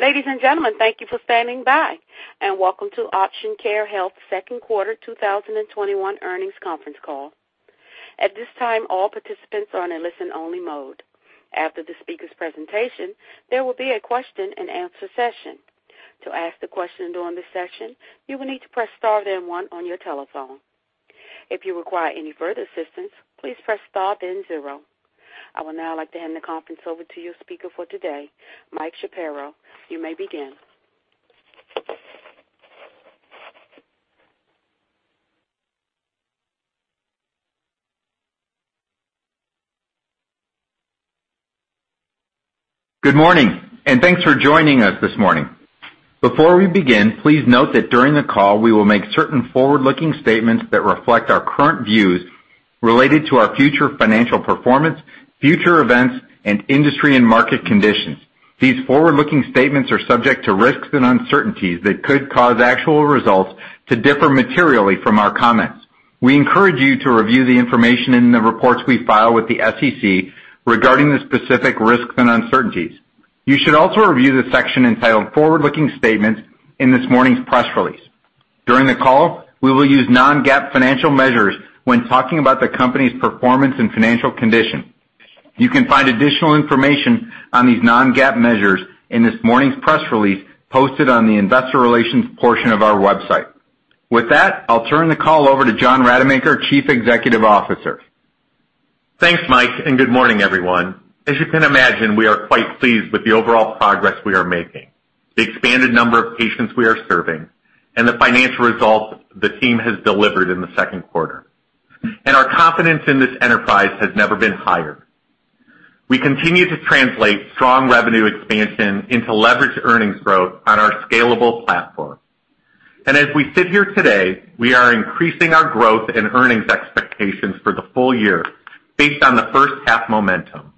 Ladies and gentlemen, thank you for standing by, and welcome to Option Care Health second quarter 2021 earnings conference call. I would now like to hand the conference over to your speaker for today, Mike Shapiro. You may begin. Good morning, and thanks for joining us this morning. Before we begin, please note that during the call, we will make certain forward-looking statements that reflect our current views related to our future financial performance, future events, and industry and market conditions. These forward-looking statements are subject to risks and uncertainties that could cause actual results to differ materially from our comments. We encourage you to review the information in the reports we file with the SEC regarding the specific risks and uncertainties. You should also review the section entitled Forward-Looking Statements in this morning's press release. During the call, we will use non-GAAP financial measures when talking about the company's performance and financial condition. You can find additional information on these non-GAAP measures in this morning's press release posted on the investor relations portion of our website. With that, I'll turn the call over to John Rademacher, Chief Executive Officer. Thanks, Mike, and good morning, everyone. As you can imagine, we are quite pleased with the overall progress we are making, the expanded number of patients we are serving, and the financial results the team has delivered in the second quarter. Our confidence in this enterprise has never been higher. We continue to translate strong revenue expansion into leveraged earnings growth on our scalable platform. As we sit here today, we are increasing our growth and earnings expectations for the full year based on the first half momentum.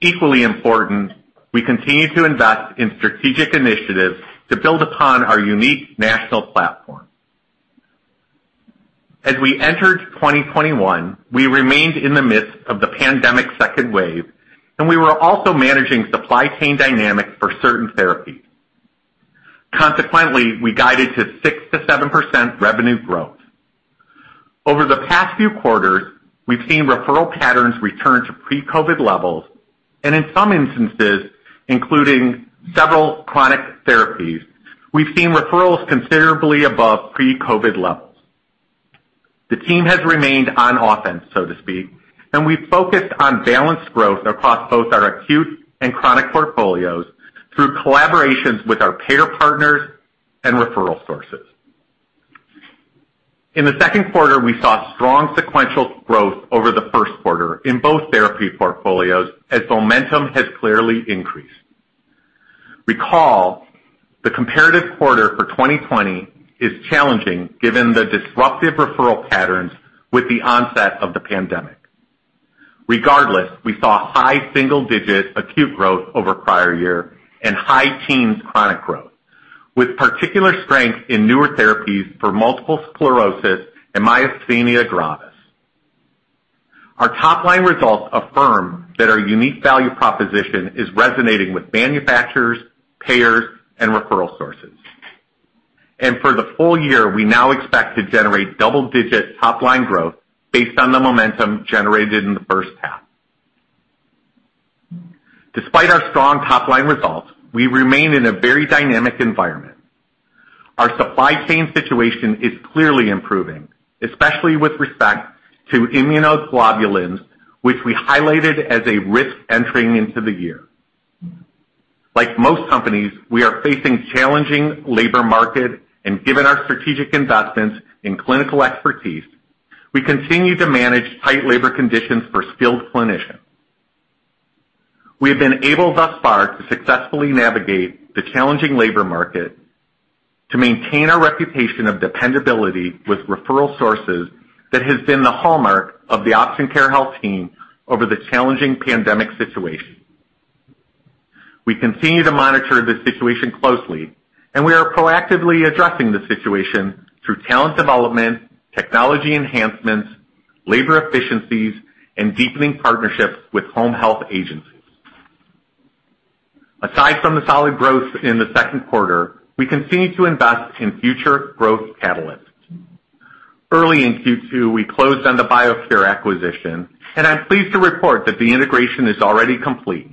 Equally important, we continue to invest in strategic initiatives to build upon our unique national platform. As we entered 2021, we remained in the midst of the pandemic's second wave, and we were also managing supply chain dynamics for certain therapies. Consequently, we guided to 6%-7% revenue growth. Over the past few quarters, we've seen referral patterns return to pre-COVID levels, and in some instances, including several chronic therapies, we've seen referrals considerably above pre-COVID levels. The team has remained on offense, so to speak, and we focused on balanced growth across both our acute and chronic portfolios through collaborations with our payer partners and referral sources. In the second quarter, we saw strong sequential growth over the first quarter in both therapy portfolios as momentum has clearly increased. Recall, the comparative quarter for 2020 is challenging given the disruptive referral patterns with the onset of the pandemic. Regardless, we saw high single-digit acute growth over prior year and high teens chronic growth, with particular strength in newer therapies for multiple sclerosis and myasthenia gravis. Our top-line results affirm that our unique value proposition is resonating with manufacturers, payers, and referral sources. For the full year, we now expect to generate double-digit top-line growth based on the momentum generated in the first half. Despite our strong top-line results, we remain in a very dynamic environment. Our supply chain situation is clearly improving, especially with respect to immunoglobulins, which we highlighted as a risk entering into the year. Like most companies, we are facing challenging labor market, given our strategic investments in clinical expertise, we continue to manage tight labor conditions for skilled clinicians. We have been able thus far to successfully navigate the challenging labor market to maintain our reputation of dependability with referral sources that has been the hallmark of the Option Care Health team over the challenging pandemic situation. We continue to monitor the situation closely, and we are proactively addressing the situation through talent development, technology enhancements, labor efficiencies, and deepening partnerships with home health agencies. Aside from the solid growth in the second quarter, we continue to invest in future growth catalysts. Early in Q2, we closed on the BioCure acquisition, and I'm pleased to report that the integration is already complete.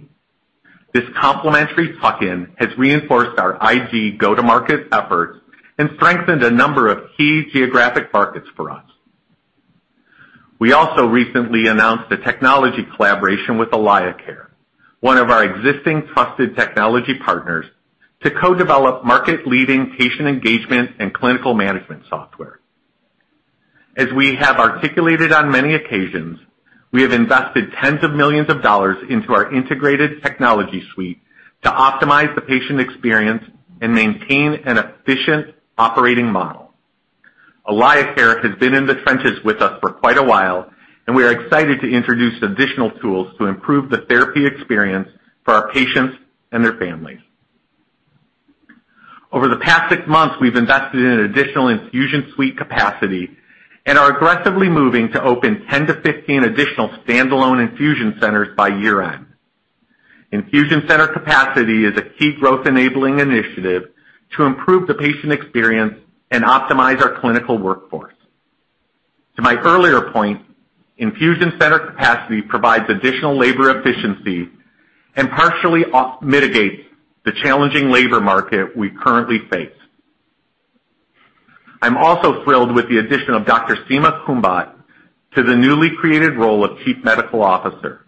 This complementary tuck-in has reinforced our IG go-to-market efforts and strengthened a number of key geographic markets for us. We also recently announced a technology collaboration with AlayaCare, one of our existing trusted technology partners, to co-develop market-leading patient engagement and clinical management software. As we have articulated on many occasions, we have invested tens of millions of dollars into our integrated technology suite to optimize the patient experience and maintain an efficient operating model. AlayaCare has been in the trenches with us for quite a while. We are excited to introduce additional tools to improve the therapy experience for our patients and their families. Over the past six months, we've invested in additional infusion suite capacity and are aggressively moving to open 10-15 additional standalone infusion centers by year-end. Infusion center capacity is a key growth-enabling initiative to improve the patient experience and optimize our clinical workforce. To my earlier point, infusion center capacity provides additional labor efficiency and partially mitigates the challenging labor market we currently face. I'm also thrilled with the addition of Dr. Seema Kumbhat to the newly created role of Chief Medical Officer.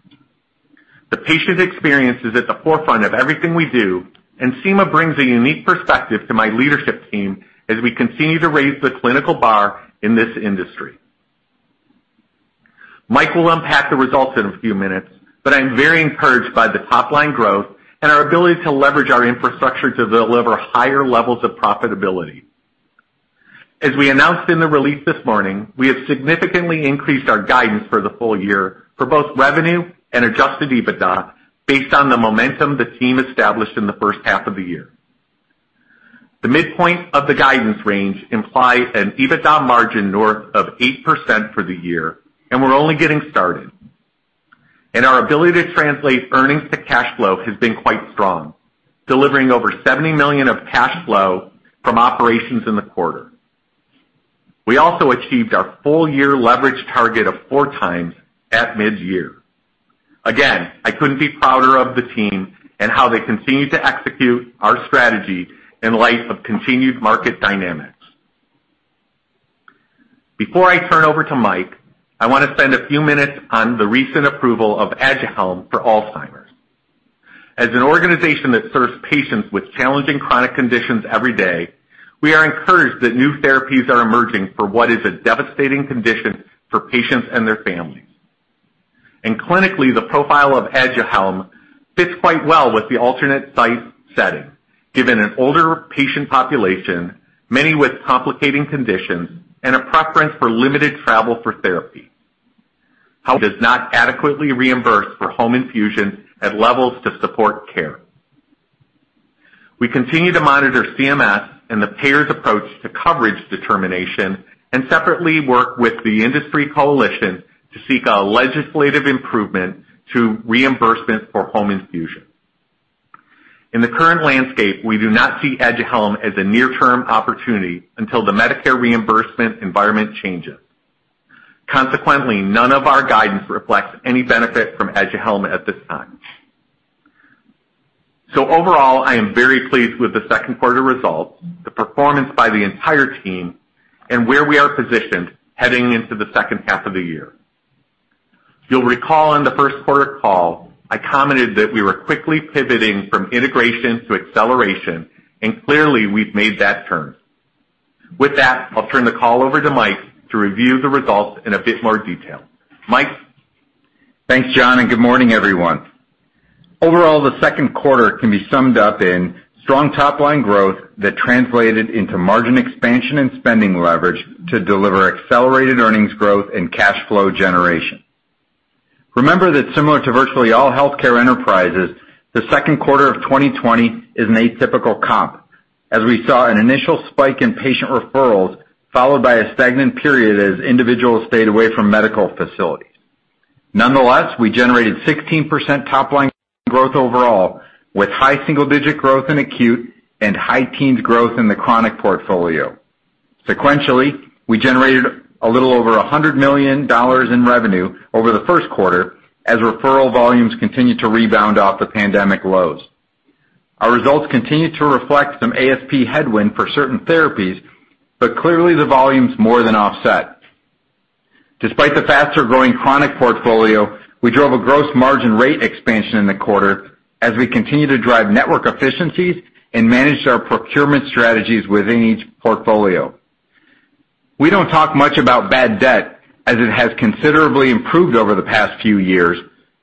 The patient experience is at the forefront of everything we do. Seema brings a unique perspective to my leadership team as we continue to raise the clinical bar in this industry. Mike will unpack the results in a few minutes, but I'm very encouraged by the top-line growth and our ability to leverage our infrastructure to deliver higher levels of profitability. As we announced in the release this morning, we have significantly increased our guidance for the full year for both revenue and adjusted EBITDA based on the momentum the team established in the first half of the year. The midpoint of the guidance range implies an EBITDA margin north of 8% for the year, we're only getting started. Our ability to translate earnings to cash flow has been quite strong, delivering over $70 million of cash flow from operations in the quarter. We also achieved our full year leverage target of 4x at mid-year. Again, I couldn't be prouder of the team and how they continue to execute our strategy in light of continued market dynamics. Before I turn over to Mike, I want to spend a few minutes on the recent approval of Aduhelm for Alzheimer's. As an organization that serves patients with challenging chronic conditions every day, we are encouraged that new therapies are emerging for what is a devastating condition for patients and their families. Clinically, the profile of Aduhelm fits quite well with the alternate site setting, given an older patient population, many with complicating conditions, and a preference for limited travel for therapy. However, it does not adequately reimburse for home infusion at levels to support care. We continue to monitor CMS and the payer's approach to coverage determination and separately work with the industry coalition to seek a legislative improvement to reimbursement for home infusion. In the current landscape, we do not see Aduhelm as a near-term opportunity until the Medicare reimbursement environment changes. Consequently, none of our guidance reflects any benefit from Aduhelm at this time. Overall, I am very pleased with the second quarter results, the performance by the entire team, and where we are positioned heading into the second half of the year. You'll recall in the first quarter call, I commented that we were quickly pivoting from integration to acceleration, and clearly we've made that turn. With that, I'll turn the call over to Mike to review the results in a bit more detail. Mike? Thanks, John, and good morning, everyone. Overall, the second quarter can be summed up in strong top-line growth that translated into margin expansion and spending leverage to deliver accelerated earnings growth and cash flow generation. Remember that similar to virtually all healthcare enterprises, the second quarter of 2020 is an atypical comp, as we saw an initial spike in patient referrals, followed by a stagnant period as individuals stayed away from medical facilities. Nonetheless, we generated 16% top-line growth overall, with high single-digit growth in acute and high teens growth in the chronic portfolio. Sequentially, we generated a little over $100 million in revenue over the first quarter as referral volumes continued to rebound off the pandemic lows. Our results continued to reflect some ASP headwind for certain therapies, but clearly the volumes more than offset. Despite the faster-growing chronic portfolio, we drove a gross margin rate expansion in the quarter as we continue to drive network efficiencies and manage our procurement strategies within each portfolio. We don't talk much about bad debt, as it has considerably improved over the past few years.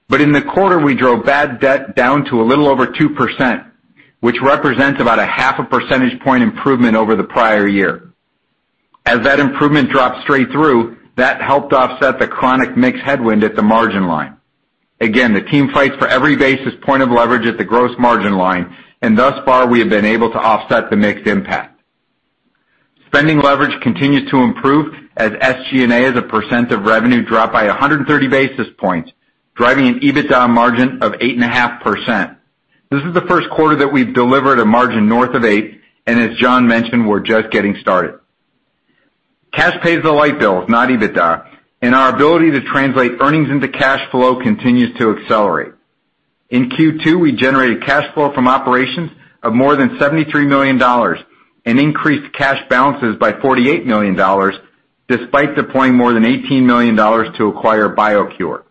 In the quarter, we drove bad debt down to a little over 2%, which represents about a half a percentage point improvement over the prior year. As that improvement dropped straight through, that helped offset the chronic mix headwind at the margin line. Again, the team fights for every basis point of leverage at the gross margin line, and thus far, we have been able to offset the mixed impact. Spending leverage continues to improve as SG&A as a percent of revenue dropped by 130 basis points, driving an EBITDA margin of 8.5%. This is the first quarter that we've delivered a margin north of 8%, as John mentioned, we're just getting started. Cash pays the light bills, not EBITDA, and our ability to translate earnings into cash flow continues to accelerate. In Q2, we generated cash flow from operations of more than $73 million and increased cash balances by $48 million, despite deploying more than $18 million to acquire BioCure.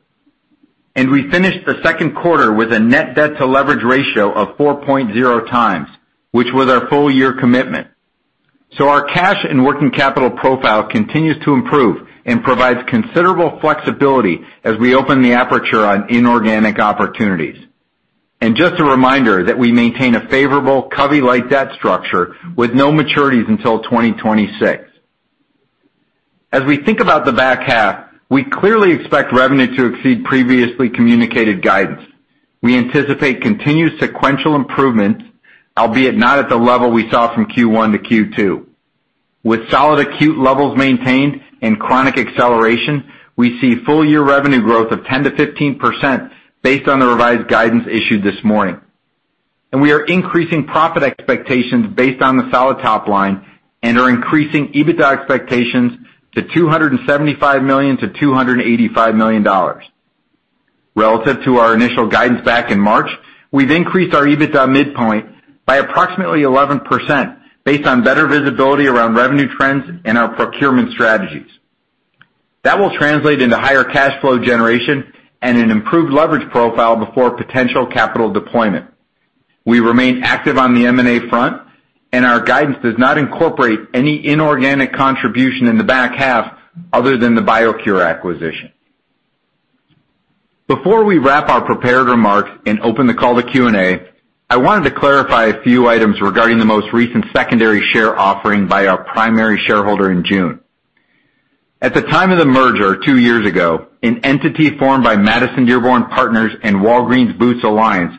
We finished the second quarter with a net debt to leverage ratio of 4.0x, which was our full-year commitment. Our cash and working capital profile continues to improve and provides considerable flexibility as we open the aperture on inorganic opportunities. Just a reminder that we maintain a favorable covenant-lite debt structure with no maturities until 2026. As we think about the back half, we clearly expect revenue to exceed previously communicated guidance. We anticipate continued sequential improvements, albeit not at the level we saw from Q1 to Q2. With solid acute levels maintained and chronic acceleration, we see full year revenue growth of 10%-15% based on the revised guidance issued this morning. We are increasing profit expectations based on the solid top line and are increasing EBITDA expectations to $275 million-$285 million. Relative to our initial guidance back in March, we've increased our EBITDA midpoint by approximately 11% based on better visibility around revenue trends and our procurement strategies. That will translate into higher cash flow generation and an improved leverage profile before potential capital deployment. We remain active on the M&A front, and our guidance does not incorporate any inorganic contribution in the back half other than the BioCure acquisition. Before we wrap our prepared remarks and open the call to Q&A, I wanted to clarify a few items regarding the most recent secondary share offering by our primary shareholder in June. At the time of the merger two years ago, an entity formed by Madison Dearborn Partners and Walgreens Boots Alliance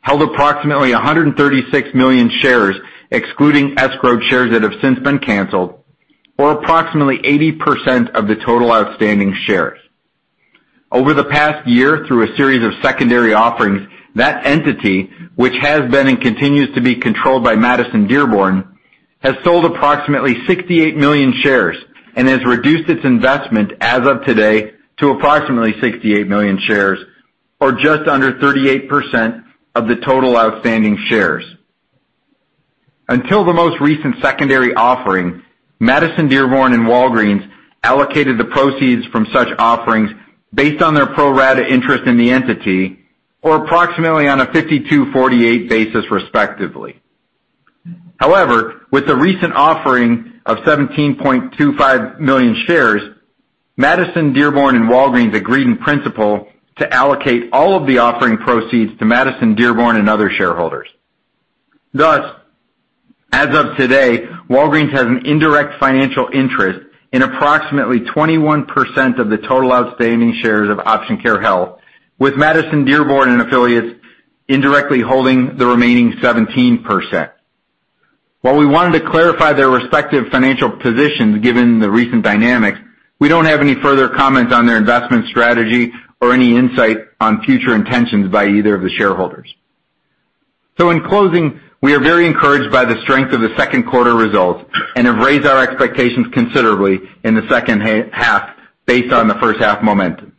held approximately 136 million shares, excluding escrowed shares that have since been canceled, or approximately 80% of the total outstanding shares. Over the past year, through a series of secondary offerings, that entity, which has been and continues to be controlled by Madison Dearborn, has sold approximately 68 million shares and has reduced its investment as of today to approximately 68 million shares, or just under 38% of the total outstanding shares. Until the most recent secondary offering, Madison Dearborn and Walgreens allocated the proceeds from such offerings based on their pro rata interest in the entity, or approximately on a 52/48 basis, respectively. With the recent offering of 17.25 million shares, Madison Dearborn and Walgreens agreed in principle to allocate all of the offering proceeds to Madison Dearborn and other shareholders. As of today, Walgreens has an indirect financial interest in approximately 21% of the total outstanding shares of Option Care Health, with Madison Dearborn and affiliates indirectly holding the remaining 17%. While we wanted to clarify their respective financial positions given the recent dynamics, we don't have any further comments on their investment strategy or any insight on future intentions by either of the shareholders. In closing, we are very encouraged by the strength of the second quarter results and have raised our expectations considerably in the second half based on the first half momentum.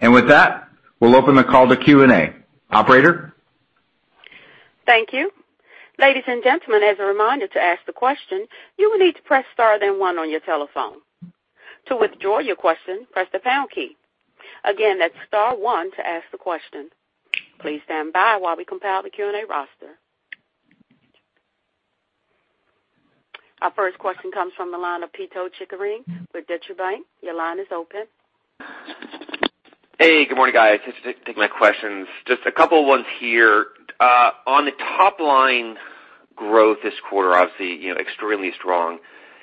With that, we'll open the call to Q&A. Operator? Thank you. Ladies and gentlemen, as a reminder, to ask the question, you will need to press star one on your telephone. To withdraw your question, press the pound key. Again, that's star one to ask the question. Please stand by while we compile the Q&A roster. Our first question comes from the line of Pito Chickering with Deutsche Bank. Your line is open. Hey, good morning, guys. Just take my questions, just a couple ones here. On the top-line growth this quarter, obviously extremely strong.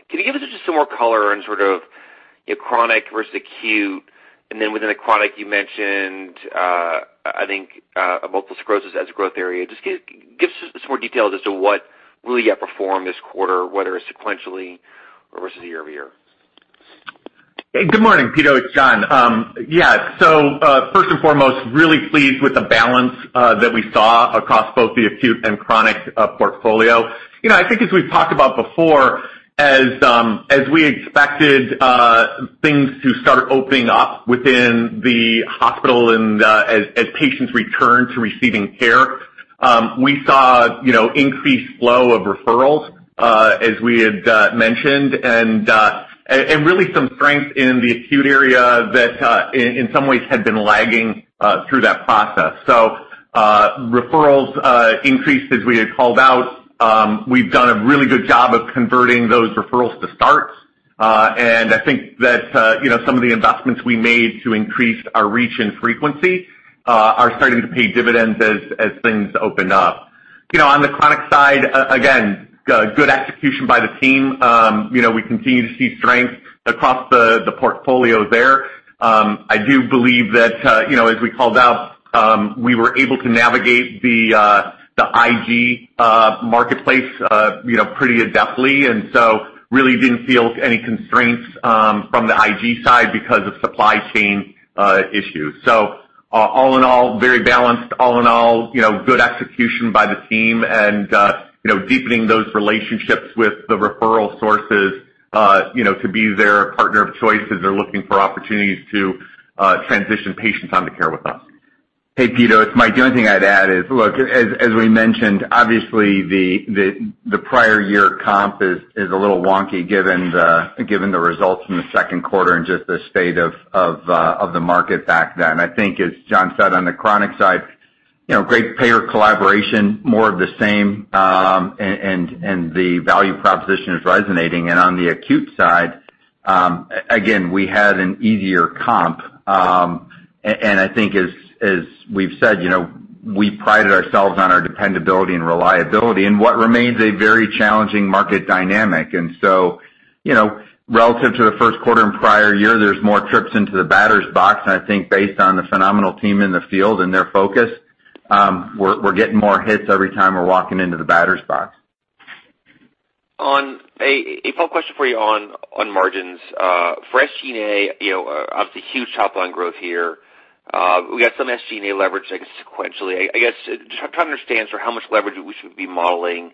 Can you give us just some more color on sort of chronic versus acute? Then within the chronic, you mentioned, I think, multiple sclerosis as a growth area. Just give us some more details as to what really outperformed this quarter, whether it's sequentially or versus year-over-year. Good morning, Pito. It's John. Yeah. First and foremost, really pleased with the balance that we saw across both the acute and chronic portfolio. I think as we've talked about before, as we expected things to start opening up within the hospital and as patients return to receiving care, we saw increased flow of referrals, as we had mentioned, and really some strength in the acute area that in some ways had been lagging through that process. Referrals increased as we had called out. We've done a really good job of converting those referrals to starts. I think that some of the investments we made to increase our reach and frequency are starting to pay dividends as things open up. On the chronic side, again, good execution by the team. We continue to see strength across the portfolio there. I do believe that as we called out, we were able to navigate the IG marketplace pretty adeptly, and so really didn't feel any constraints from the IG side because of supply chain issues. All in all, very balanced. All in all, good execution by the team and deepening those relationships with the referral sources to be their partner of choice as they're looking for opportunities to transition patients onto care with us. Hey, Pito, it's Mike. The only thing I'd add is, look, as we mentioned, obviously the prior year comp is a little wonky given the results in the second quarter and just the state of the market back then. I think as John said, on the chronic side, great payer collaboration, more of the same, and the value proposition is resonating. On the acute side, again, we had an easier comp. I think as we've said, you know, we prided ourselves on our dependability and reliability in what remains a very challenging market dynamic. Relative to the first quarter and prior year, there's more trips into the batter's box, and I think based on the phenomenal team in the field and their focus, we're getting more hits every time we're walking into the batter's box. A follow-up question for you on margins. For SG&A, obviously huge top line growth here. We got some SG&A leverage sequentially. I guess, trying to understand how much leverage we should be modeling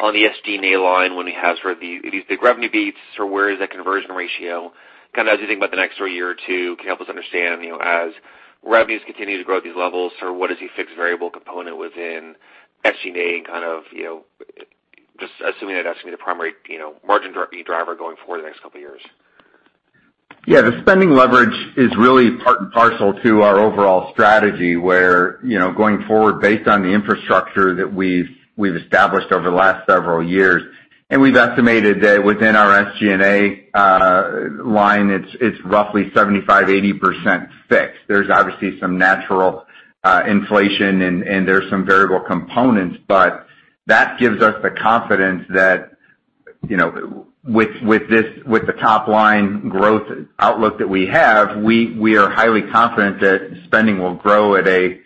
on the SG&A line when it has these big revenue beats. Where is that conversion ratio? As you think about the next three year two, can you help us understand, as revenues continue to grow at these levels, what is the fixed variable component within SG&A and just assuming that SG&A primary margin will be a driver going forward the next couple of years? Yeah. The spending leverage is really part and parcel to our overall strategy, where going forward, based on the infrastructure that we've established over the last several years, and we've estimated that within our SG&A line, it's roughly 75%, 80% fixed. There's obviously some natural inflation and there's some variable components. That gives us the confidence that with the top line growth outlook that we have, we are highly confident that spending will grow at a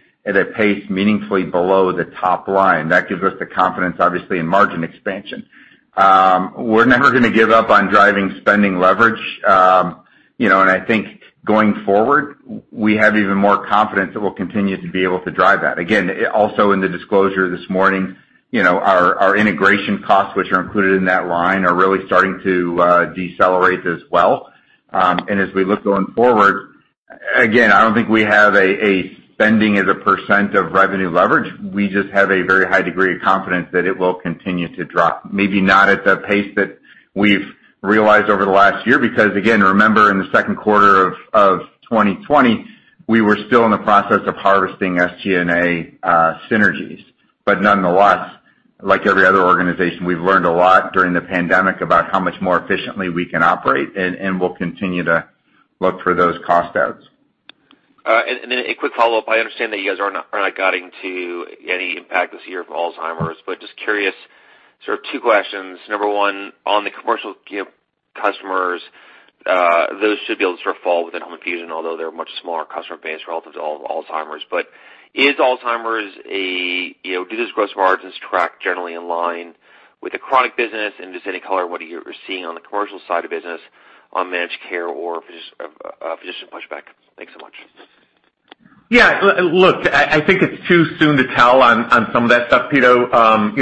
pace meaningfully below the top line. That gives us the confidence, obviously, in margin expansion. We're never going to give up on driving spending leverage. I think going forward, we have even more confidence that we'll continue to be able to drive that. Again, also in the disclosure this morning, our integration costs, which are included in that line, are really starting to decelerate as well. As we look going forward, again, I don't think we have a spending as a percent of revenue leverage. We just have a very high degree of confidence that it will continue to drop. Maybe not at the pace that we've realized over the last year, because again, remember in the second quarter of 2020, we were still in the process of harvesting SG&A synergies. Nonetheless, like every other organization, we've learned a lot during the pandemic about how much more efficiently we can operate, and we'll continue to look for those cost outs. All right. Then a quick follow-up. I understand that you guys are not guiding to any impact this year of Alzheimer's, but just curious, two questions. Number one, on the commercial customers, those should be able to fall within home infusion, although they're a much smaller customer base relative to Alzheimer's. Is Alzheimer's, do those gross margins track generally in line with the chronic business? Just any color what you're seeing on the commercial side of business on managed care or physician pushback? Thanks so much. Yeah, look, I think it's too soon to tell on some of that stuff, Pito. As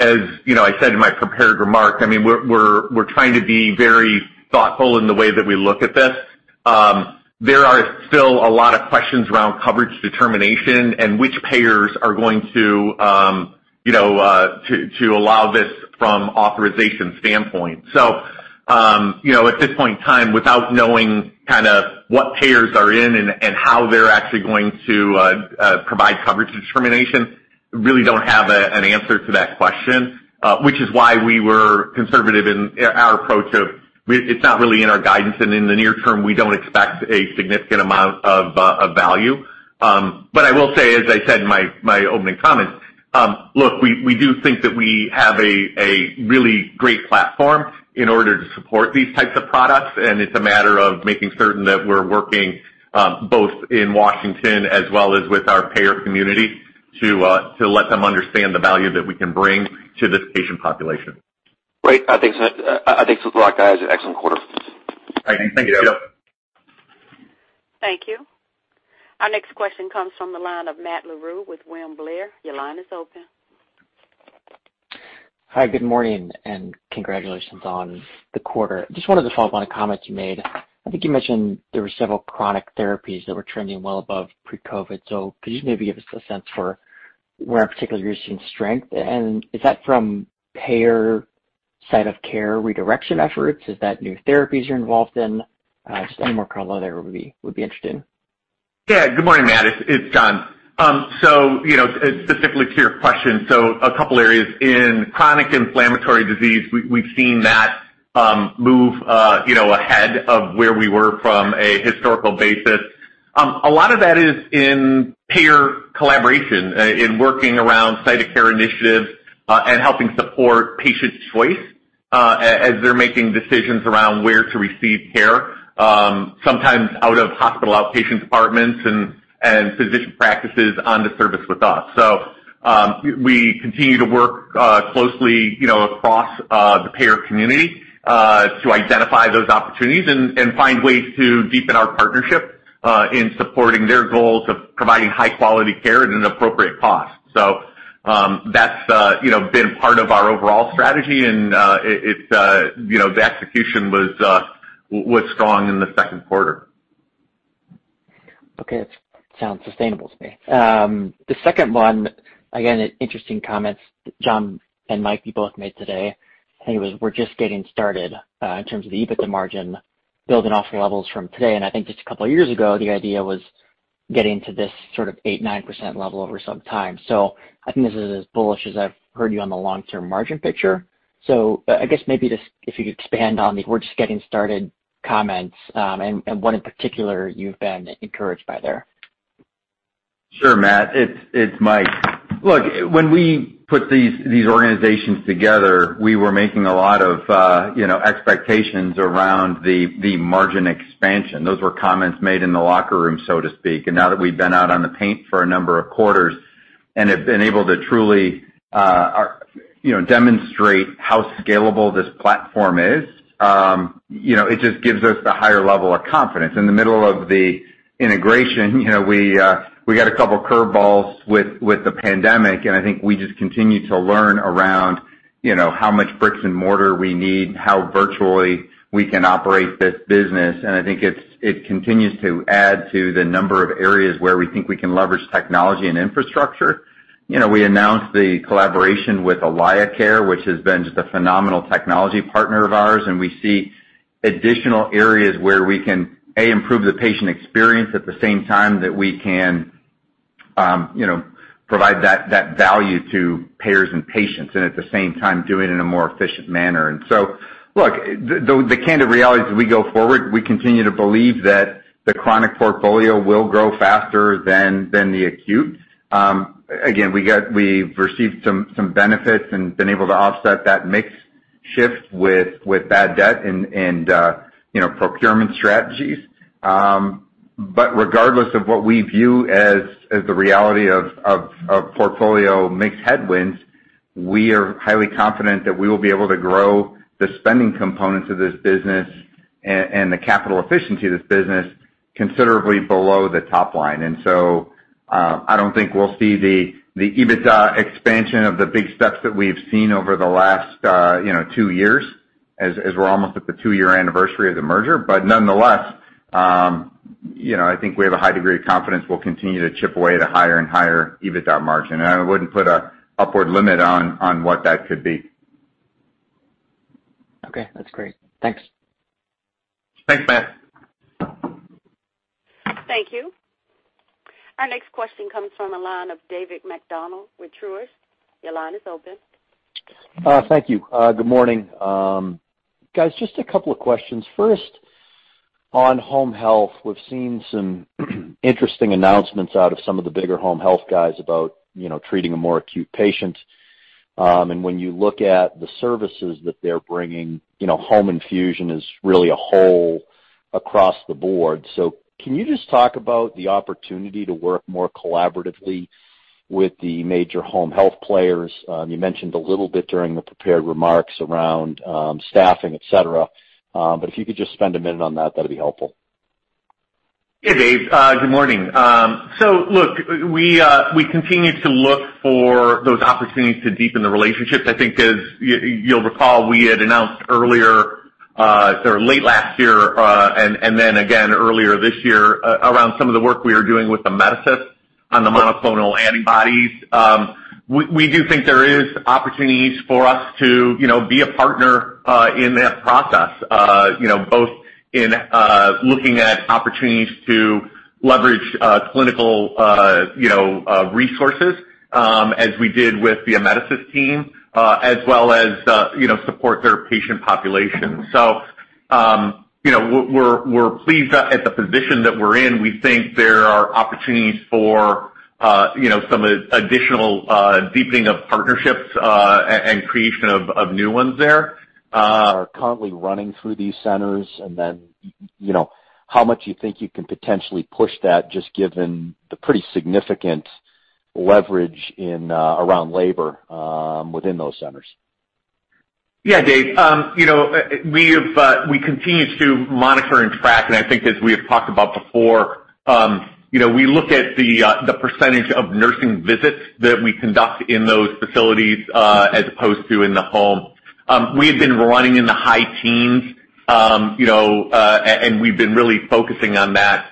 I said in my prepared remarks, we're trying to be very thoughtful in the way that we look at this. There are still a lot of questions around coverage determination and which payers are going to allow this from authorization standpoint. At this point in time, without knowing what payers are in and how they're actually going to provide coverage determination, really don't have an answer to that question, which is why we were conservative in our approach of, it's not really in our guidance, and in the near term, we don't expect a significant amount of value. I will say, as I said in my opening comments, look, we do think that we have a really great platform in order to support these types of products, and it's a matter of making certain that we're working both in Washington as well as with our payer community to let them understand the value that we can bring to this patient population. Great. I think so. I think had an excellent quarter. Thank you, Pito. Thank you, Pito. Thank you. Our next question comes from the line of Matt Larew with William Blair. Your line is open. Hi, good morning, and congratulations on the quarter. Just wanted to follow up on a comment you made. I think you mentioned there were several chronic therapies that were trending well above pre-COVID. Could you maybe give us a sense for where in particular you're seeing strength? Is that from payer side of care redirection efforts? Is that new therapies you're involved in? Just any more color there would be interesting. Yeah. Good morning, Matt. It's John. Specifically to your question, a couple areas. In chronic inflammatory disease, we've seen that move ahead of where we were from a historical basis. A lot of that is in payer collaboration, in working around site of care initiatives, and helping support patient choice, as they're making decisions around where to receive care, sometimes out of hospital outpatient departments and physician practices on the service with us. We continue to work closely across the payer community to identify those opportunities and find ways to deepen our partnership in supporting their goals of providing high quality care at an appropriate cost. That's been part of our overall strategy, and the execution was strong in the second quarter. Okay. It sounds sustainable to me. The second one, again, interesting comments that John and Mike, you both made today. We're just getting started in terms of the EBITDA margin building off levels from today. I think just 2 years ago, the idea was getting to this 8%, 9% level over some time. I think this is as bullish as I've heard you on the long-term margin picture. I guess maybe just if you could expand on the, "We're just getting started." comments and what in particular you've been encouraged by there. Sure, Matt, it's Mike. Look, when we put these organizations together, we were making a lot of expectations around the margin expansion. Those were comments made in the locker room, so to speak. Now that we've been out on the paint for a number of quarters and have been able to truly demonstrate how scalable this platform is, it just gives us a higher level of confidence. In the middle of the integration, we got a couple of curve balls with the pandemic, and I think we just continue to learn around how much bricks and mortar we need, how virtually we can operate this business. I think it continues to add to the number of areas where we think we can leverage technology and infrastructure. We announced the collaboration with AlayaCare, which has been just a phenomenal technology partner of ours, and we see additional areas where we can, A, improve the patient experience at the same time that we can provide that value to payers and patients, and at the same time, do it in a more efficient manner. Look, the candid reality as we go forward, we continue to believe that the chronic portfolio will grow faster than the acute. Again, we've received some benefits and been able to offset that mix shift with bad debt and procurement strategies. Regardless of what we view as the reality of portfolio mix headwinds, we are highly confident that we will be able to grow the spending components of this business and the capital efficiency of this business considerably below the top line. I don't think we'll see the EBITDA expansion of the big steps that we've seen over the last two years, as we're almost at the two-year anniversary of the merger. Nonetheless, I think we have a high degree of confidence we'll continue to chip away at a higher and higher EBITDA margin. I wouldn't put an upward limit on what that could be. Okay, that's great. Thanks. Thanks, Matt. Thank you. Our next question comes from the line of David MacDonald with Truist. Your line is open. Thank you. Good morning. Guys, just a couple of questions. First, on home health, we've seen some interesting announcements out of some of the bigger home health guys about treating a more acute patient. When you look at the services that they're bringing, home infusion is really a whole across the board. Can you just talk about the opportunity to work more collaboratively with the major home health players? You mentioned a little bit during the prepared remarks around staffing, et cetera. If you could just spend one minute on that'd be helpful. Hey, Dave. Good morning. Look, we continue to look for those opportunities to deepen the relationships. I think as you'll recall, we had announced earlier or late last year, and then again earlier this year, around some of the work we are doing with Amedisys on the monoclonal antibodies. We do think there is opportunities for us to be a partner in that process, both in looking at opportunities to leverage clinical resources, as we did with the Amedisys team, as well as support their patient population. We're pleased at the position that we're in. We think there are opportunities for some additional deepening of partnerships and creation of new ones there. Are currently running through these centers. How much you think you can potentially push that, just given the pretty significant leverage around labor within those centers. Yeah, Dave. We continue to monitor and track, and I think as we have talked about before, we look at the percentage of nursing visits that we conduct in those facilities as opposed to in the home. We have been running in the high teens, and we've been really focusing on that.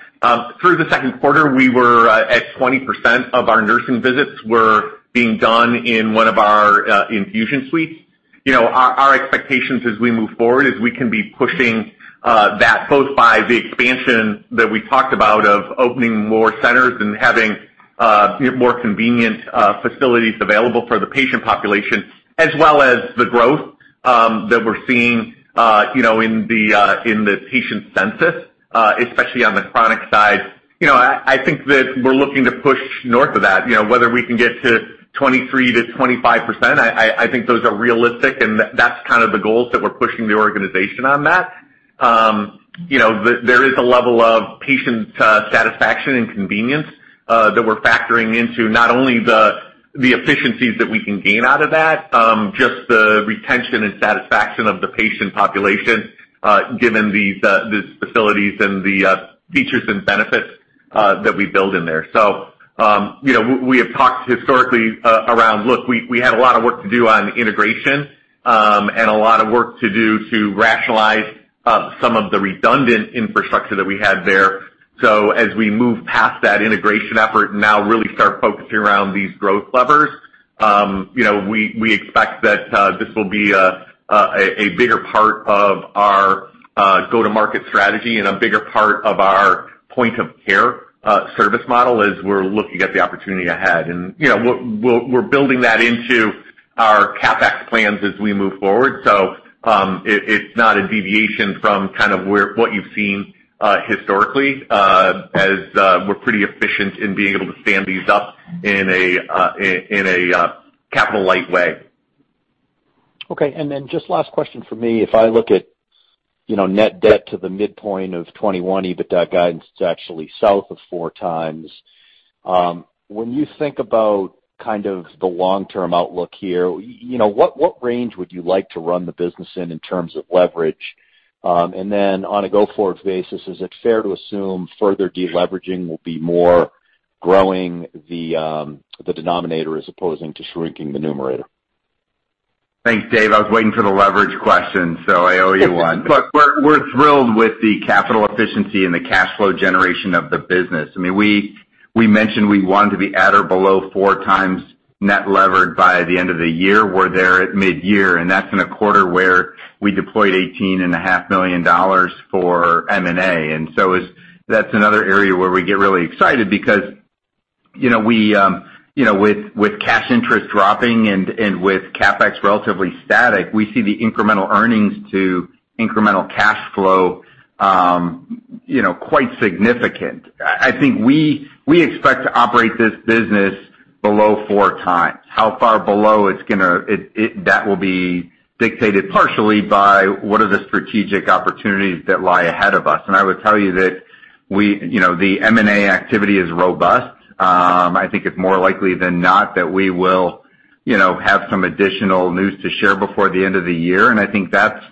Through the second quarter, we were at 20% of our nursing visits were being done in one of our infusion suites. Our expectations as we move forward is we can be pushing that both by the expansion that we talked about of opening more centers and having more convenient facilities available for the patient population, as well as the growth that we're seeing in the patient census, especially on the chronic side. I think that we're looking to push north of that. Whether we can get to 23%-25%, I think those are realistic, and that's the goals that we're pushing the organization on that. There is a level of patient satisfaction and convenience that we're factoring into, not only the efficiencies that we can gain out of that, just the retention and satisfaction of the patient population given these facilities and the features and benefits that we build in there. We have talked historically around, look, we had a lot of work to do on integration and a lot of work to do to rationalize some of the redundant infrastructure that we had there. As we move past that integration effort, now really start focusing around these growth levers. We expect that this will be a bigger part of our go-to-market strategy and a bigger part of our point of care service model as we're looking at the opportunity ahead. We're building that into our CapEx plans as we move forward. It's not a deviation from what you've seen historically, as we're pretty efficient in being able to stand these up in a capital-light way. Okay. Just last question from me. If I look at net debt to the midpoint of 2021 EBITDA guidance, it's actually south of 4x. When you think about the long-term outlook here, what range would you like to run the business in in terms of leverage? On a go-forward basis, is it fair to assume further deleveraging will be more growing the denominator as opposed to shrinking the numerator? Thanks, Dave. I was waiting for the leverage question, so I owe you one. Look, we're thrilled with the capital efficiency and the cash flow generation of the business. We mentioned we wanted to be at or below 4x net levered by the end of the year. We're there at mid-year, and that's in a quarter where we deployed $18.5 million for M&A. That's another area where we get really excited because with cash interest dropping and with CapEx relatively static, we see the incremental earnings to incremental cash flow quite significant. I think we expect to operate this business below 4x. How far below? That will be dictated partially by what are the strategic opportunities that lie ahead of us. I would tell you that the M&A activity is robust. I think it's more likely than not that we will have some additional news to share before the end of the year. I think that's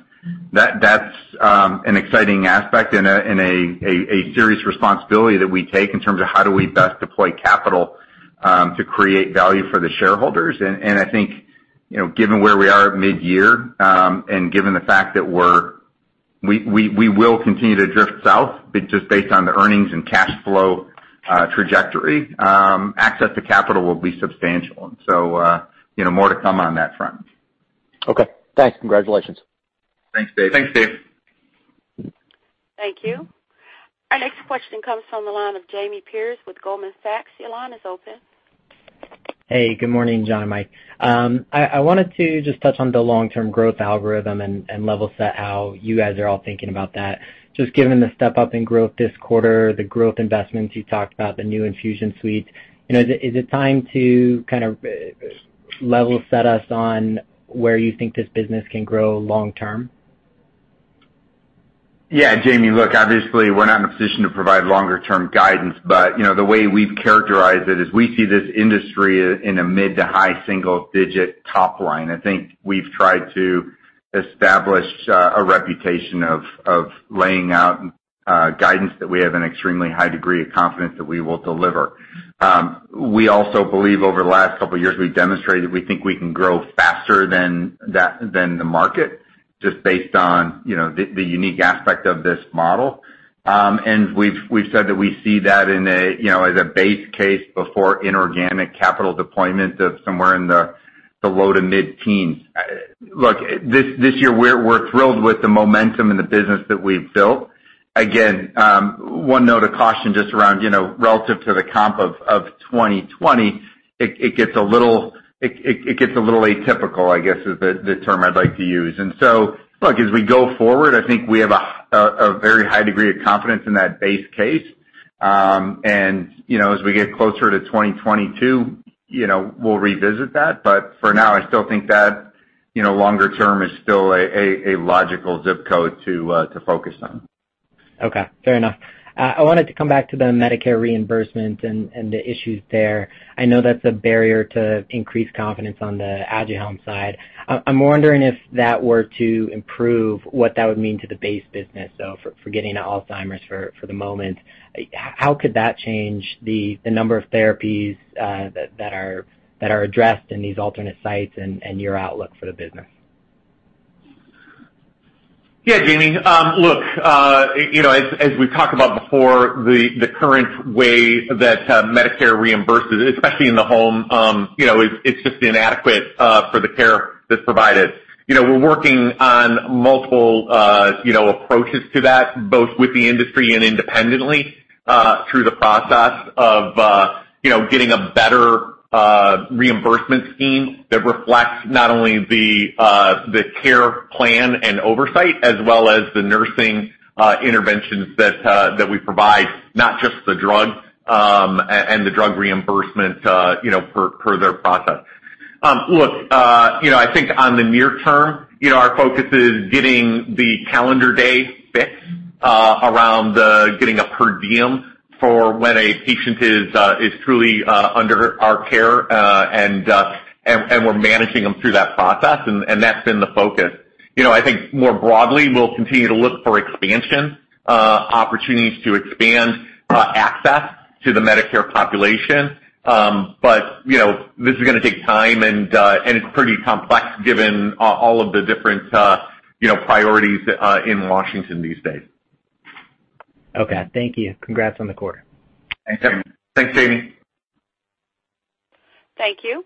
an exciting aspect and a serious responsibility that we take in terms of how do we best deploy capital to create value for the shareholders. I think, given where we are at mid-year, and given the fact that we will continue to drift south just based on the earnings and cash flow trajectory, access to capital will be substantial. More to come on that front. Okay, thanks. Congratulations. Thanks, Dave. Thanks, Dave. Thank you. Our next question comes from the line of Jamie Perse with Goldman Sachs. Your line is open. Hey, good morning, John and Mike. I wanted to just touch on the long-term growth algorithm and level set how you guys are all thinking about that. Just given the step-up in growth this quarter, the growth investments you talked about, the new infusion suite, is it time to level set us on where you think this business can grow long term? Yeah. Jamie, look, obviously, we're not in a position to provide longer-term guidance. The way we've characterized it is we see this industry in a mid to high single-digit top line. I think we've tried to establish a reputation of laying out guidance that we have an extremely high degree of confidence that we will deliver. We also believe over the last couple of years, we've demonstrated we think we can grow faster than the market just based on the unique aspect of this model. We've said that we see that as a base case before inorganic capital deployment of somewhere in the low to mid-teens. Look, this year we're thrilled with the momentum in the business that we've built. Again, one note of caution just around relative to the comp of 2020, it gets a little atypical, I guess, is the term I'd like to use. Look, as we go forward, I think we have a very high degree of confidence in that base case. As we get closer to 2022, we'll revisit that. For now, I still think that longer term is still a logical ZIP code to focus on. Okay. Fair enough. I wanted to come back to the Medicare reimbursement and the issues there. I know that's a barrier to increased confidence on the Aduhelm side. I'm wondering if that were to improve what that would mean to the base business, so forgetting the Alzheimer's for the moment. How could that change the number of therapies that are addressed in these alternate sites and your outlook for the business? Jamie. Look, as we've talked about before, the current way that Medicare reimburses, especially in the home, it's just inadequate for the care that's provided. We're working on multiple approaches to that, both with the industry and independently, through the process of getting a better reimbursement scheme that reflects not only the care plan and oversight as well as the nursing interventions that we provide, not just the drug and the drug reimbursement per their process. Look, I think on the near term, our focus is getting the calendar day fixed around getting a per diem for when a patient is truly under our care and we're managing them through that process. That's been the focus. I think more broadly, we'll continue to look for expansion opportunities to expand access to the Medicare population. This is going to take time, and it's pretty complex given all of the different priorities in Washington these days. Okay. Thank you. Congrats on the quarter. Thanks, Jamie. Thanks, Jamie. Thank you.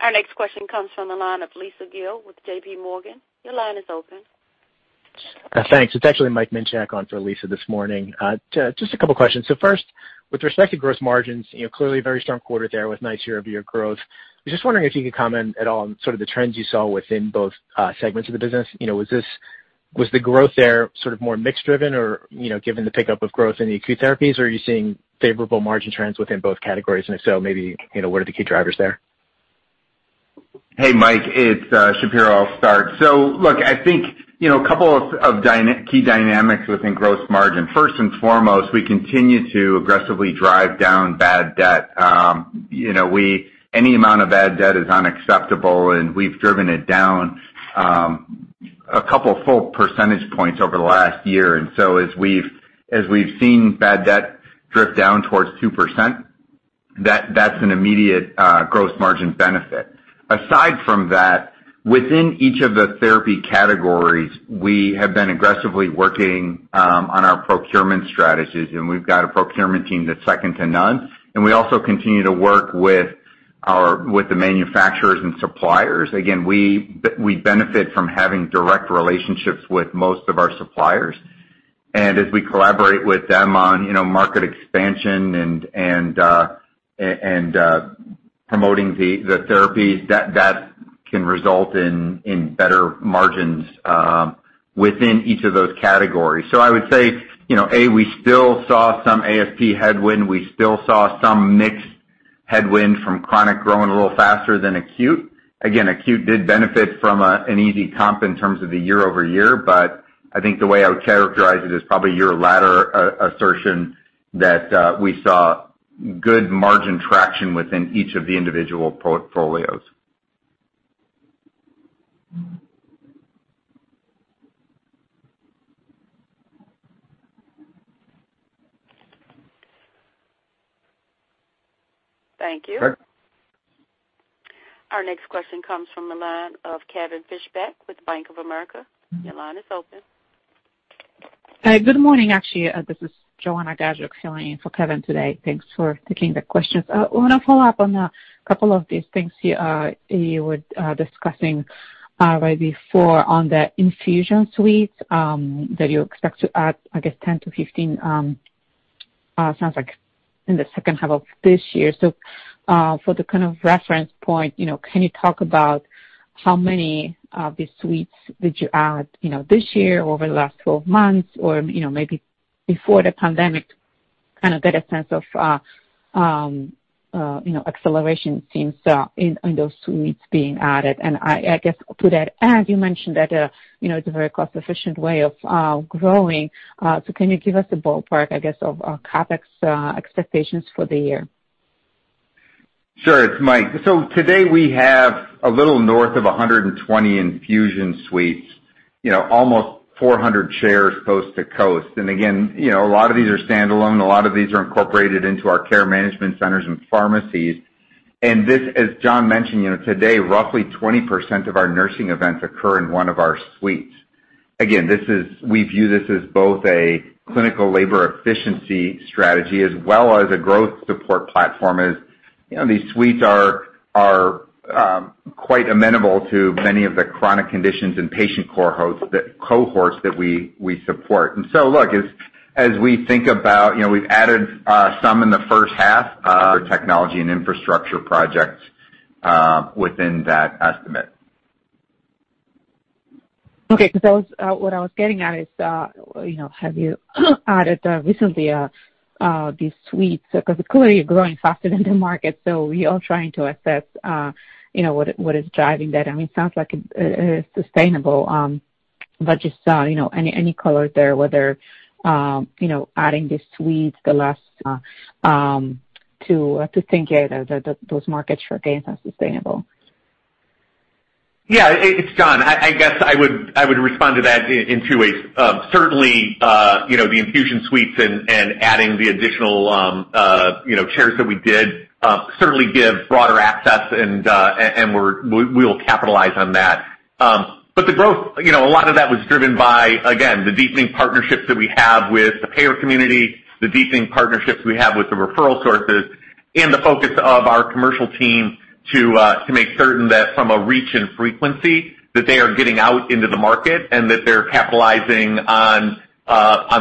Our next question comes from the line of Lisa Gill with JPMorgan. Your line is open. Thanks. It's actually Mike Minchak on for Lisa this morning. Just a couple of questions. First, with respect to gross margins, clearly a very strong quarter there with nice year-over-year growth. I was just wondering if you could comment at all on sort of the trends you saw within both segments of the business. Was the growth there sort of more mix-driven or, given the pickup of growth in the acute therapies, are you seeing favorable margin trends within both categories? If so, maybe, what are the key drivers there? Hey, Mike, it's Shapiro. I'll start. Look, I think, a couple of key dynamics within gross margin. First and foremost, we continue to aggressively drive down bad debt. Any amount of bad debt is unacceptable, and we've driven it down a couple full percentage points over the last year. As we've seen bad debt drift down towards 2%, that's an immediate gross margin benefit. Aside from that, within each of the therapy categories, we have been aggressively working on our procurement strategies, and we've got a procurement team that's second to none, and we also continue to work with the manufacturers and suppliers. Again, we benefit from having direct relationships with most of our suppliers. As we collaborate with them on market expansion and promoting the therapies, that can result in better margins within each of those categories. I would say, A, we still saw some ASP headwind. We still saw some mix headwind from chronic growing a little faster than acute. Again, acute did benefit from an easy comp in terms of the year-over-year, but I think the way I would characterize it is probably your latter assertion that we saw good margin traction within each of the individual portfolios. Thank you. Sure. Our next question comes from the line of Kevin Fischbeck with Bank of America. Your line is open. Hi. Good morning. Actually, this is Joanna Gajuk filling in for Kevin today. Thanks for taking the questions. I want to follow up on a couple of these things you were discussing right before on the infusion suites, that you expect to add, I guess, 10-15, sounds like in the second half of this year. For the kind of reference point, can you talk about how many of these suites did you add this year over the last 12 months or maybe before the pandemic, kind of get a sense of acceleration since in those suites being added. I guess to that end, you mentioned that it's a very cost-efficient way of growing. Can you give us a ballpark, I guess, of CapEx expectations for the year? Sure. It is Mike. Today we have a little north of 120 infusion suites, almost 400 chairs coast to coast. Again, a lot of these are standalone. A lot of these are incorporated into our care management centers and pharmacies. This, as John mentioned, today, roughly 20% of our nursing events occur in one of our suites. Again, we view this as both a clinical labor efficiency strategy as well as a growth support platform, as these suites are quite amenable to many of the chronic conditions and patient cohorts that we support. Look, as we think about, we've added some in the first half for technology and infrastructure projects within that estimate. Okay. What I was getting at is, have you added recently these suites? Clearly you're growing faster than the market, we are trying to assess what is driving that. I mean, it sounds like it's sustainable. Just any color there, whether adding these suites the last to think those markets for gains are sustainable? It's John. I guess I would respond to that in two ways. Certainly the infusion suites and adding the additional chairs that we did certainly give broader access, and we'll capitalize on that. The growth, a lot of that was driven by, again, the deepening partnerships that we have with the payer community, the deepening partnerships we have with the referral sources, and the focus of our commercial team to make certain that from a reach and frequency, that they are getting out into the market and that they're capitalizing on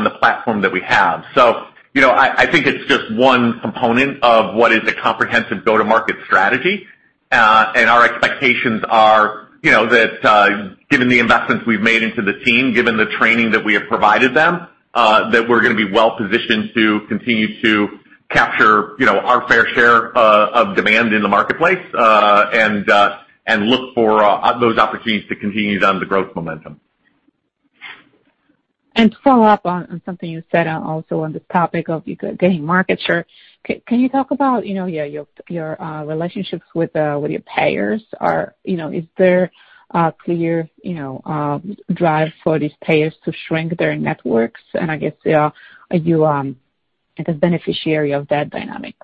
the platform that we have. I think it's just one component of what is a comprehensive go-to-market strategy. Our expectations are that given the investments we've made into the team, given the training that we have provided them, that we're going to be well positioned to continue to capture our fair share of demand in the marketplace, and look for those opportunities to continue to drive the growth momentum. To follow up on something you said also on the topic of gaining market share. Can you talk about your relationships with your payers? Is there a clear drive for these payers to shrink their networks? I guess, are you the beneficiary of that dynamic?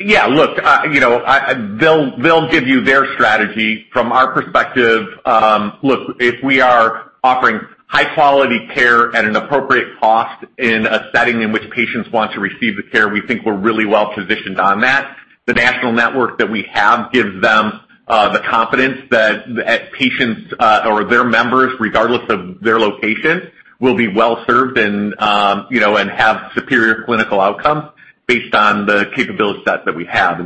Yeah. Look, they'll give you their strategy. From our perspective, look, if we are offering high quality care at an appropriate cost in a setting in which patients want to receive the care, we think we're really well positioned on that. The national network that we have gives them the confidence that patients or their members, regardless of their location, will be well-served and have superior clinical outcomes based on the capability set that we have.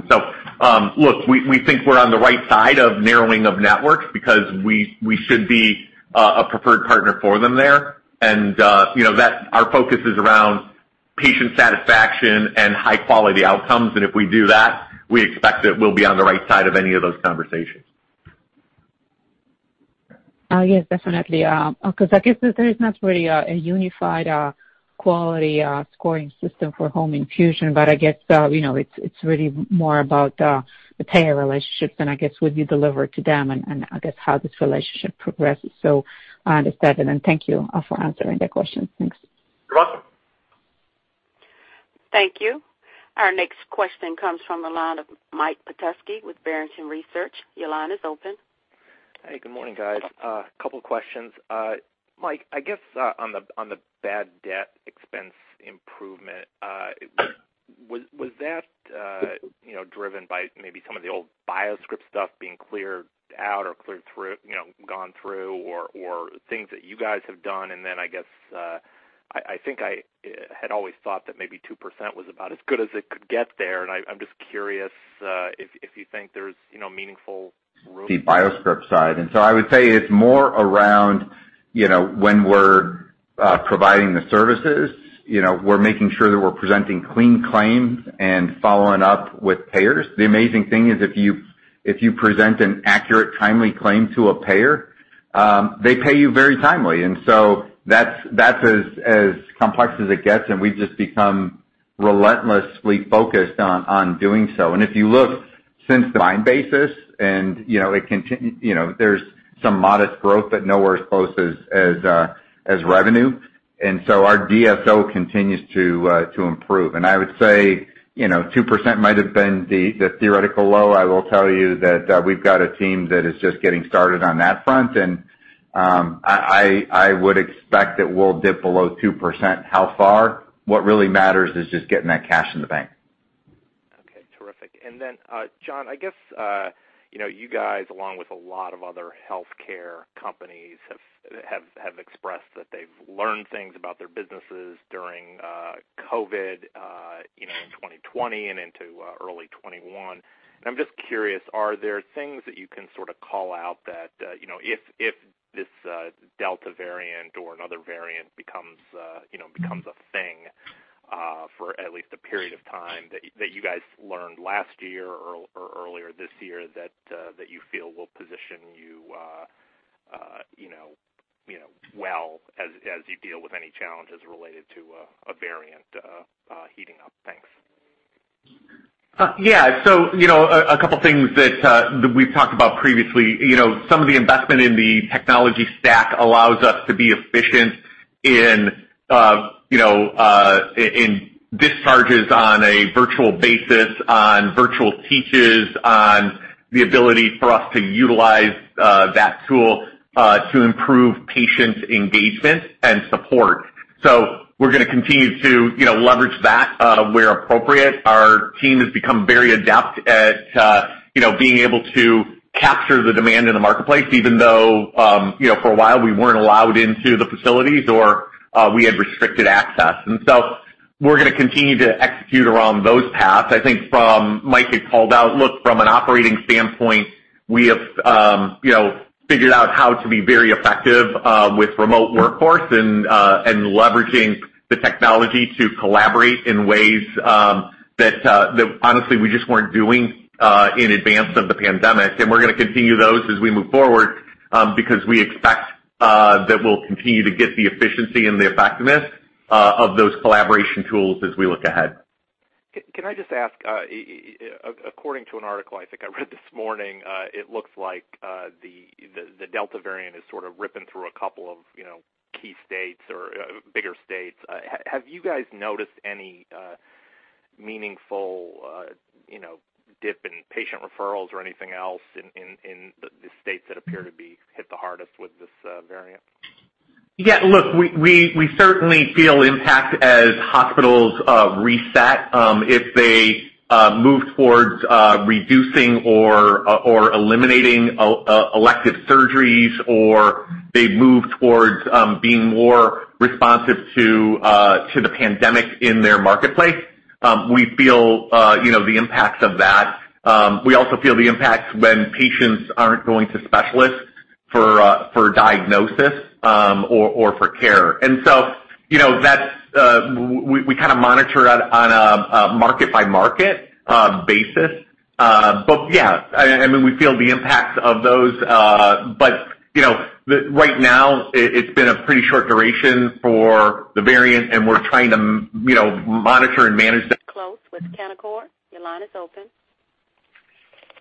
Look, we think we're on the right side of narrowing of networks because we should be a preferred partner for them there. Our focus is around patient satisfaction and high-quality outcomes, and if we do that, we expect that we'll be on the right side of any of those conversations. Yes, definitely. I guess there is not really a unified quality scoring system for home infusion. I guess, it's really more about the payer relationships than, I guess, what you deliver to them and I guess how this relationship progresses. I understand that, and thank you for answering that question. Thanks. You're welcome. Thank you. Our next question comes from the line of Mike Petusky with Barrington Research. Your line is open. Hey, good morning, guys. A couple of questions. Mike, I guess, on the bad debt expense improvement, was that driven by maybe some of the old BioScrip stuff being cleared out or gone through, or things that you guys have done? I guess, I think I had always thought that maybe 2% was about as good as it could get there, and I'm just curious if you think there's meaningful room. The BioScrip side. I would say it's more around when we're providing the services. We're making sure that we're presenting clean claims and following up with payers. The amazing thing is if you present an accurate, timely claim to a payer, they pay you very timely. That's as complex as it gets, and we've just become relentlessly focused on doing so. If you look since the line basis and there's some modest growth, but nowhere as close as revenue. Our DSO continues to improve. I would say 2% might have been the theoretical low. I will tell you that we've got a team that is just getting started on that front, and I would expect it will dip below 2%. How far? What really matters is just getting that cash in the bank. Okay, terrific. John, I guess, you guys, along with a lot of other healthcare companies, have expressed that they've learned things about their businesses during COVID in 2020 and into early 2021. I'm just curious, are there things that you can sort of call out that if this Delta variant or another variant becomes a thing for at least a period of time, that you guys learned last year or earlier this year that you feel will position you well as you deal with any challenges related to a variant heating up? Thanks. Yeah. A couple things that we've talked about previously. Some of the investment in the technology stack allows us to be efficient in discharges on a virtual basis, on virtual teaches, on the ability for us to utilize that tool to improve patient engagement and support. We're going to continue to leverage that where appropriate. Our team has become very adept at being able to capture the demand in the marketplace, even though, for a while, we weren't allowed into the facilities or we had restricted access. We're going to continue to execute around those paths. I think from Mike had called out, look, from an operating standpoint, we have figured out how to be very effective with remote workforce and leveraging the technology to collaborate in ways that honestly, we just weren't doing in advance of the pandemic. We're going to continue those as we move forward, because we expect that we'll continue to get the efficiency and the effectiveness of those collaboration tools as we look ahead. Can I just ask, according to an article I think I read this morning, it looks like the Delta variant is sort of ripping through a couple of key states or bigger states. Have you guys noticed any meaningful dip in patient referrals or anything else in the states that appear to be hit the hardest with this variant? Yeah, look, we certainly feel impact as hospitals reset. If they move towards reducing or eliminating elective surgeries, or they move towards being more responsive to the pandemic in their marketplace, we feel the impacts of that. We also feel the impacts when patients aren't going to specialists for a diagnosis or for care. We kind of monitor it on a market-by-market basis. Yeah, I mean, we feel the impacts of those. Right now, it's been a pretty short duration for the variant, and we're trying to monitor and manage that. Rich Close with Canaccord. Your line is open.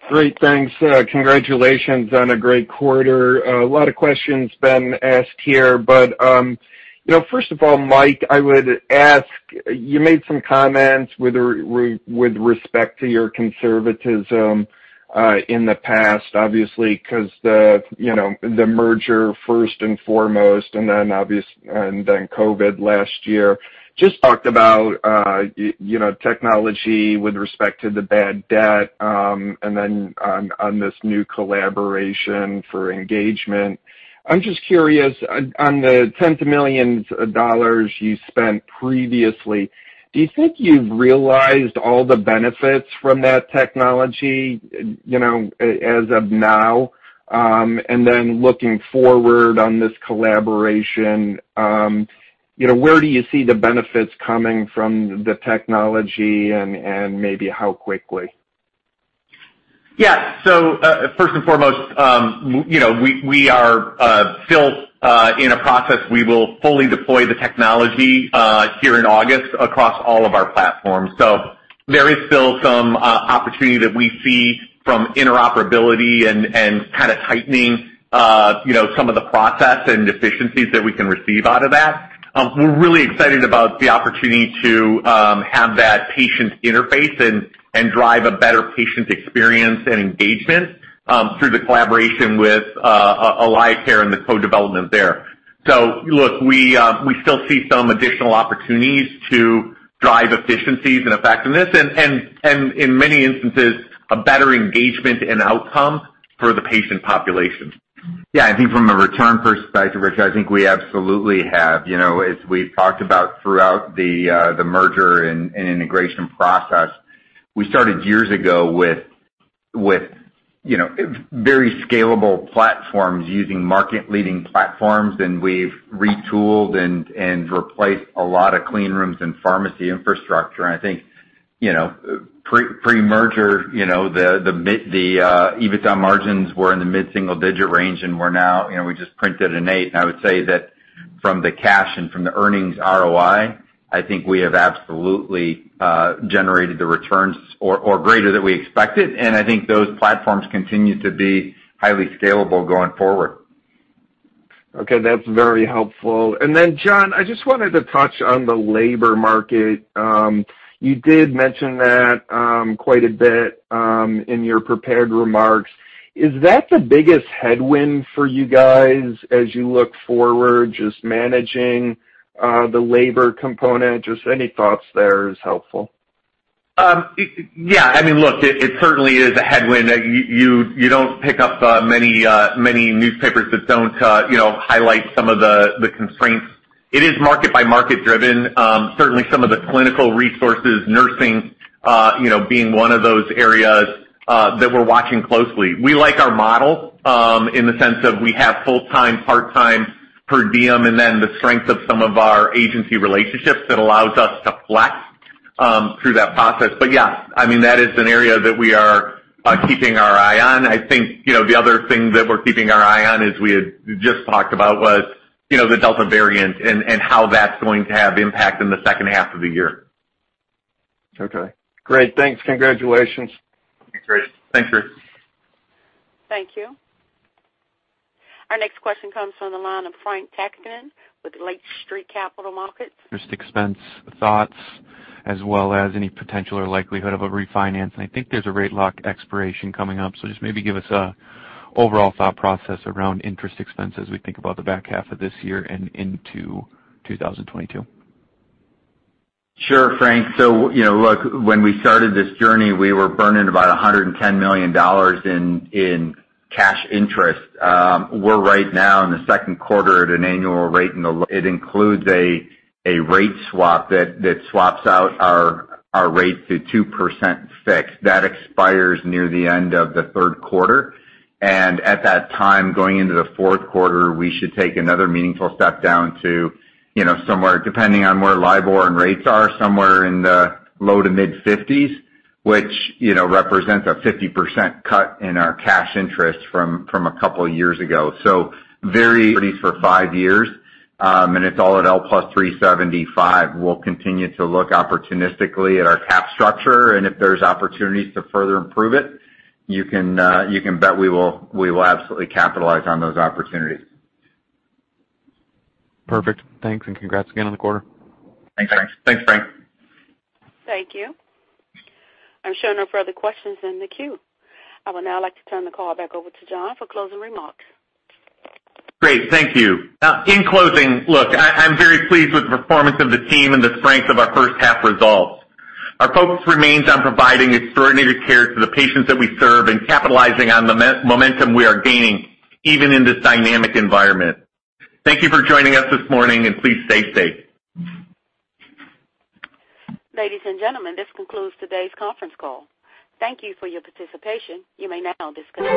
Great. Thanks. Congratulations on a great quarter. A lot of questions been asked here. First of all, Mike, I would ask, you made some comments with respect to your conservatism in the past, obviously, because the merger first and foremost, and then COVID last year. Just talked about technology with respect to the bad debt, and then on this new collaboration for engagement. I'm just curious, on the tens of millions of dollars you spent previously, do you think you've realized all the benefits from that technology as of now? Looking forward on this collaboration, where do you see the benefits coming from the technology and maybe how quickly? Yeah. First and foremost, we are still in a process. We will fully deploy the technology here in August across all of our platforms. There is still some opportunity that we see from interoperability and kind of heightening some of the process and efficiencies that we can receive out of that. We're really excited about the opportunity to have that patient interface and drive a better patient experience and engagement through the collaboration with AlayaCare and the co-development there. Look, we still see some additional opportunities to drive efficiencies and effectiveness and, in many instances, a better engagement and outcome for the patient population. Yeah, I think from a return perspective, Rich, I think we absolutely have. As we've talked about throughout the merger and integration process, we started years ago with very scalable platforms using market leading platforms, and we've retooled and replaced a lot of clean rooms and pharmacy infrastructure. I think, pre-merger, the EBITDA margins were in the mid-single digit range, and we just printed an eight. I would say that from the cash and from the earnings ROI, I think we have absolutely generated the returns or greater that we expected, and I think those platforms continue to be highly scalable going forward. Okay, that's very helpful. John, I just wanted to touch on the labor market. You did mention that quite a bit in your prepared remarks. Is that the biggest headwind for you guys as you look forward, just managing the labor component? Just any thoughts there is helpful. Yeah, look, it certainly is a headwind. You don't pick up many newspapers that don't highlight some of the constraints. It is market-by-market driven. Certainly, some of the clinical resources, nursing, being one of those areas that we're watching closely. We like our model in the sense of we have full-time, part-time, per diem, and then the strength of some of our agency relationships that allows us to flex through that process. Yeah, that is an area that we are keeping our eye on. I think the other thing that we're keeping our eye on is, we had just talked about, was the Delta variant and how that's going to have impact in the second half of the year. Okay, great. Thanks. Congratulations. Thanks, Rich. Thanks, Rich. Thank you. Our next question comes from the line of Frank Takkinen with Lake Street Capital Markets. Interest expense thoughts as well as any potential or likelihood of a refinance. I think there's a rate lock expiration coming up, so just maybe give us a overall thought process around interest expense as we think about the back half of this year and into 2022. Sure, Frank. Look, when we started this journey, we were burning about $110 million in cash interest. We're right now in the second quarter at an annual rate. It includes a rate swap that swaps out our rate to 2% fixed. That expires near the end of the third quarter. At that time, going into the fourth quarter, we should take another meaningful step down to, depending on where LIBOR and rates are, somewhere in the low to mid-50s, which represents a 50% cut in our cash interest from a couple of years ago. For five years. It's all at L+375. We'll continue to look opportunistically at our cap structure. If there's opportunities to further improve it, you can bet we will absolutely capitalize on those opportunities. Perfect. Thanks. Congrats again on the quarter. Thanks, Frank. Thanks, Frank. Thank you. I show no further questions in the queue. I would now like to turn the call back over to John for closing remarks. Great, thank you. In closing, look, I'm very pleased with the performance of the team and the strength of our first half results. Our focus remains on providing extraordinary care to the patients that we serve and capitalizing on the momentum we are gaining, even in this dynamic environment. Thank you for joining us this morning, and please stay safe. Ladies and gentlemen, this concludes today's conference call. Thank you for your participation. You may now disconnect.